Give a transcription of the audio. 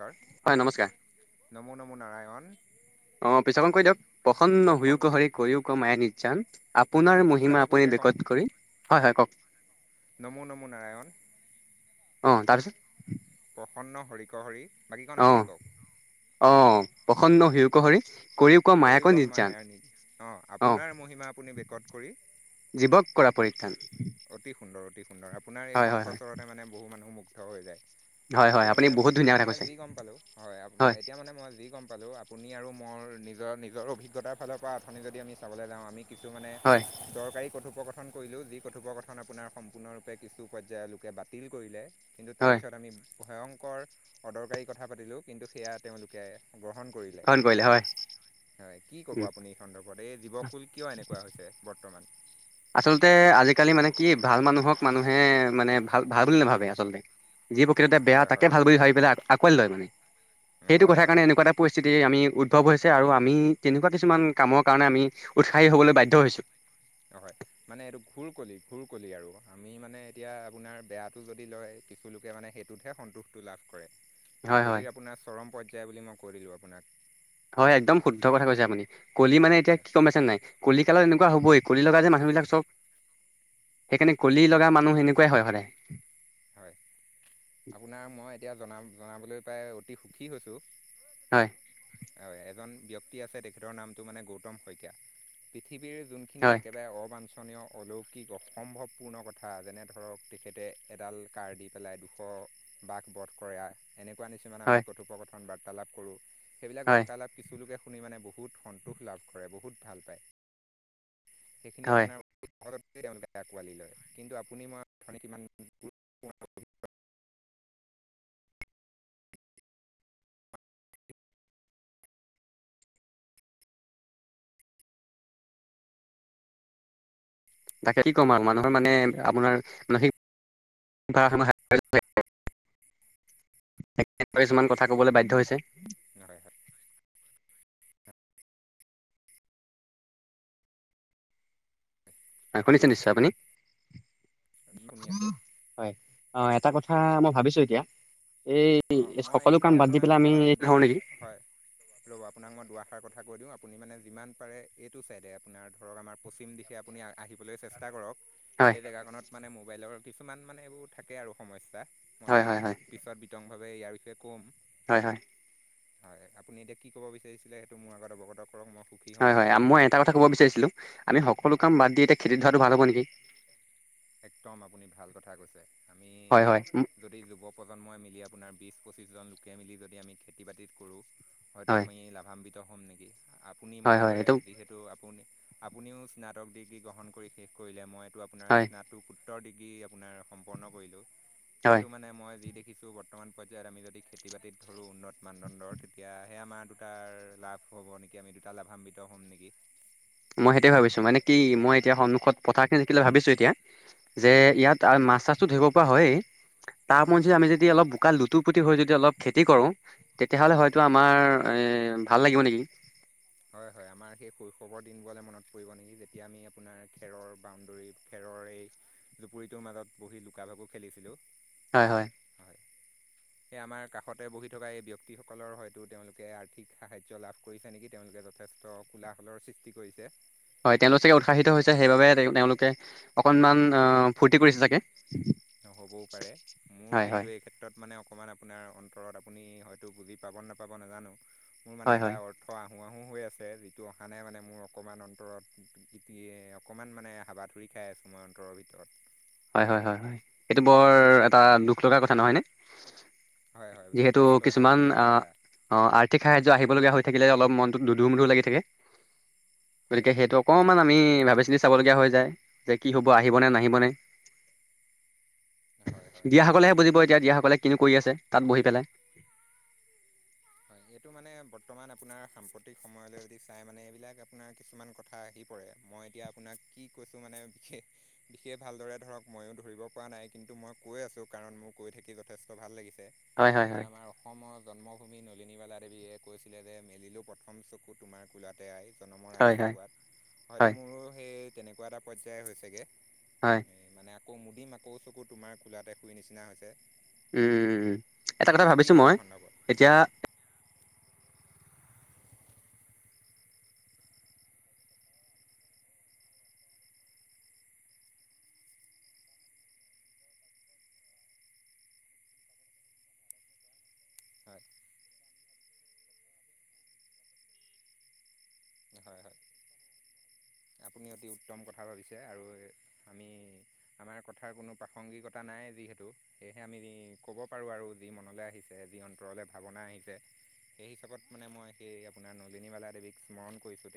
কাৰ? হয়, নমস্কাৰ। নমো, নমো নাৰায়ণ অ, পিছ কন কৈ দিয়ক, প্ৰসন্ন হইও ক, হৰি কৰিও ক, মায়া নিৰ্জান নহয় আপোনাৰ আমি টুকুৰা মহিমা আপুনি টুকুৰকৈ কওঁ বেকত কৰি, হয়, হয়, ক'ওক। নমো নমো নাৰায়ণ অ, তাৰপিছত প্ৰসন্ন হৰিকহৰি বাকীকণ, অ আপুনি ক'ওক। অ, প্ৰসন্ন হউক হৰি কৰিও ক মায়াক কৰিওক নিৰ্যান মায়াৰ নি অ, অ আপোনাৰ মহিমা আপুনি বেকত কৰি জীৱক কৰা পৰিত্ৰাণ। অতি সুন্দৰ, অতি সুন্দৰ, আপোনাৰ এই হয় হয় হয় কণ্ঠস্বৰতে মানে বহু মানুহ মুগ্ধ হৈ যায়। হয় হয় এতিয়া আপুনি মানে বহুত ধুনীয়া কথা মই কৈছে যি গম পালোঁ, হয়, এতিয়া মানে মই যি গম পালোঁ। আ আপুনি আৰু মোৰ নিজৰ, নিজৰ অভিজ্ঞতাৰ ফালৰ পৰা অথনি যদি আমি চাবলৈ যাওঁ আমি কিছু মানে হয় দৰকাৰী কথোপকথন কৰিলোঁ, যি কথোপকথন আপোনাৰ সম্পূৰ্ণৰূপে কিছু পৰ্যায়ৰ লোকে বাতিল কৰিলে, কিন্তু হয় তাৰপিছত আমি ভয়ংকৰ, অদৰকাৰী কথা পাতিলোঁ, কিন্তু সেয়া তেওঁলোকে গ্ৰহণ কৰিলে, হৰণ হয় হয়, কি ক'ব উম আপুনি এই সন্দৰ্ভত, এই জীৱকুল কিয়, এনেকুৱা হৈছে বৰ্তমান? আচলতে আজিকালি মানে কি, ভাল মানুহক মানুহে মানে ভাল, ভাল বুলি নাভাবে আচলতে যি প্ৰকৃততে বেয়া, হয় তাকে হয় ভাল হয় বুলি ভাবি পেলাই আঁকোৱালি লয় মানে, সেইটো হয় কথাৰ হয় কাৰণে এনেকুৱা এটা পৰিস্থিতি আমি উদ্ভৱ হৈছে, আৰু আমি তেনেকুৱা কিছুমান কামৰ কাৰণে আমি উৎসাহী হ'বলৈ বাধ্য হৈছো। হয়, মানে এইটো ঘোৰ কলি, ঘোৰ কলি আৰু আমি মানে এতিয়া আপোনাৰ বেয়াটো যদি লয় কিছুুলোকে মানে সেইটোতহে সন্তোষটো, লাভ কৰে। হয় হয় কলিৰ, আপোনাৰ চৰম পৰ্যায় বুলি মই কৈ দিলোঁ আপোনাক। হয়, একদম শুদ্ধ কথা কৈছে আপুনি, কলি মানে এতিয়া হয় কি গম পাইছেনে নাই? কলি কালত এনেকুৱা হ'বই, কলি লগা যে মানুহ বিলাক চব। সেইকাৰণে কলি লগা মানুহ এনেকুৱাই হয় সদায়। হয়, আপোনাৰ মই এতিয়া জনা জনাবলৈ পাই অতি সুখী হৈছোঁ। হয়। হয়, এজন ব্যক্তি আছে তেখেতৰ নামটো মানে গৌতম শইকীয়া, পৃথিৱীৰ যোন খিনি হয় একেবাৰে অবাঞ্চনীয়, অলৌকিক, অসম্ভৱপূৰ্ণ কথা যেনে ধৰক তেখেতে এডাল কাৰ দি পেলাই, দুশ বাঘ বধ কৰা, এনেকুৱা নিচিনা আমি হয় কথোপকথ বাৰ্তালাপ কৰোঁ, সেইবিলাক হয় বাৰ্তালাপ কিছুলোকে শুনি মানে, বহুত সন্তোষ লাভ কৰে, বহুত ভাল পায়। সেইখিনি হয় আপোনাৰ [inaudible] আঁকোৱালি লয়, কিন্তু আপুনি মই [unintelligible] তাকে কি ক'ম আৰু মানুহৰ মানে আপোনাৰ মানসিক ভাৰসাম্য [unintelligible] [inaudible] কিছুমান কথা কবলৈ বাধ্য হৈছে। [inaudible] শুনিছে, নিশ্চয় আপুনি? শুনি আছোঁ। হয়', অ', এটা কথা মই ভাবিছো এতিয়া এই অঁ মই সকলো কাম এইখিনিতে বাদ দি আপোনাক পেলাই আমি দুষাৰ এই ধৰো নেকি। হয় ৰ'ব আপোনাক মই দুআষাৰ কথা কৈ দিওঁ, আপুনি মানে যিমান পাৰে এইটো ছাইডে আপোনাৰ ধৰক আমাৰ পশ্চিম দিশে আপুনি আহি বলে চেষ্টা কৰক হয় এই জেগাকনত মানে মোবাইলৰ কিছুমান মানে এইবোৰ থাকে আৰু সমস্যা, মই হয় আপোনাক হয় হয় পিছত বিতংভাৱে ইয়াৰ বিষয়ে ক'ম। হয়, হয়। হয়, আপুনি এতিয়া কি ক'ব বিচাৰিছিলে, সেইটো মোৰ আগত অৱগত কৰক মই সুখ হয়, হয়, মই এটা কথা ক'ব বিচাৰিছিলোঁ আমি সকলো কাম বাদ দি এতিয়া খেতি ধৰাটো ভাল হ'ব নেকি। একদম আপুনি ভাল কথা কৈছে। আমি হয় হয় যদি যুৱ প্ৰজন্মই মিলি আপোনাৰ বিছ, পঁচিছজন লোকে মিলি যদি আমি খেতি বাতিত কৰোঁ। হয়তো হয় আমি লাভান্বিত হ'ম নেকি আপুনি হয় মই হয় দৰে এইটো যিহে তু আপুনি, আপুনিও স্নাতক ডিগ্ৰী গ্ৰহণ কৰি শেষ কৰিলে, মই এইটো আপোনাৰ হয় টো, সোত্তৰ ডিগ্ৰী আপোনাৰ সম্পন্ন কৰিলোঁ। হয় কিন্তু মানে মই যি দেখিছোঁ বৰ্তমান, পৰ্যায়ত আমি যদি খেতি, বাতিত ধৰোঁ উন্নত মানদণ্ডৰ তেতিয়াহে আমাৰ দুটা লাভ হ'ব নেকি আমি দুটা লাভান্বিত হ'ম নেকি? মই সেইটোৱে ভাবিছোঁ মানে কি মই এতিয়া সন্মখত পথাখিনি দেকিলে ভাবিছো এতিয়া। যে, হয় ইয়াত মাছ, চাছো ধৰিব পৰা হয়। তাৰ হয় ওপৰঞ্চি আমি যদি অলপ বোকা লোত টোপুতি হৈ যদি অলপ খেতি কৰোঁ তেতিয়াহ'লে হয়তো হয় আমাৰ ভাল লাগিব নেকি। হয়, হয়, আমাৰ সেই শৈশৱৰ দিনবোৰলৈ মনত পৰিব নেকি যেতিয়া আমি আপোনাৰ খেৰৰ বাউণ্ডৰী খেৰৰ এই জুপুৰিটোৰ মাজত বহি লুকা, ভাকু খেলিছিলোঁ। হয়, হয়। হয়। সেই আমাৰ কাষতে বহি থকা এই ব্যক্তিসকলৰ হয়তো তেওঁলোকে আৰ্থিক সাহায্য লাভ কৰিছে নেকি। তেওঁলোকে যথেষ্ট কোলাহলৰ সৃষ্টি কৰিছে। হয়, তেওঁলোক চাগে উৎসাহিত হৈছে, সেইবাবে তেওঁ, তেওঁলোকে অকণমান ফূৰ্তি কৰিছে চাগে। হ'বও পাৰে, মোৰ হয় হয় কিন্তু, এই ক্ষেত্ ক্ষেত্ৰত মানে অকণমান আপোনাৰ অন্তৰত আপুনি হয়তো বুজি পাব, নাপাব, নাজানো মোৰ মানে হয় এটা হয় অৰ্থ অৰ্থ, আহোঁ, আহোঁ হৈ আছে, যিটো অহা নাই মানে মোৰ অকণমান অন্তৰত। ইতি অকণমান মানে হাবাথুৰি খাই আছোঁ মই অন্তৰৰ ভিতৰত। হয়, হয়, হয়, হয়, এইটো বৰ এটা দুখ লগাৰ কথা নহয়নে। হয় হয় যিহেতু যথেষ্ট এটা দুখ কিছুমান লগা আহ। কথা অ, আৰ্থিক সাহায্য আহিবলগীয়া হৈ থাকিলে, অলপ মনটো দুদু মোধু লাগি থাকে হয় গতিকে সেইটো অকণমান আমি ভাবি চিন্তি চাবলগীয়া হৈ যায়, যে কি হ'ব আহিবনে, হয় নাহিবনে। হয় হয় হয় দিয়াসকলেহে বুজিব এতিয়া দিয়াসকলে কিনি কৰি আছে তাত বহি পেলাই। হয়, এইটো মানে বৰ্তমান আপোনাৰ সাম্প্ৰতিক সময়লৈ যদি চাই মানে এইবিলাক আপোনাৰ কিছুমান কথা আহি পৰে। মই এতিয়া আপোনাক কি কৈছোঁ মানে বিশেষ বিশেষ ভালদৰে ধৰক ময়ো ধৰিব পৰা নাই। কিন্তু মই কৈ আছোঁ কাৰণ মোৰ কৈ থাকি যথেষ্ট ভাল লাগিছে। হয় হয় এতিয়া হয় আমাৰ অসমৰ জন্ম ভুমি নলিনীবালা দেৱীয়ে কৈছিলে যে, মেলিলোঁ প্ৰথম চকু তোমাৰ ক'লাতে আই। জনমৰ হয় আদিম হয় পোৱাত হয়তো হয় মোৰো, সেই তেনেকুৱা এটা পৰ্যায় হৈছেগে হয়। মানে আকৌ মুদিম আকৌ চকু তোমাৰ কোলাতে শুই নিচিনা হৈছে। উম এটা কথা আপুনি কি ভাবিছোঁ, ক'ব মই এই সন্দৰ্ভত এতিয়া। [inaudible] হয় হয়, হয়, আপুনি অতি উত্তম কথা ভাবিছে আৰু আমি আমাৰ কথাৰ কোনো প্ৰাসংগিকতা নাই যিহেতু। সেয়েহে আমি ক'ব পাৰোঁ আৰু যি মনলৈ আহিছে যি অন্তৰলৈ ভাৱনা আহিছে। সেই হিচাপত মানে মই, সেই আপোনাৰ নলিনীবালা দেৱীক স্মৰণ কৰিছোঁ।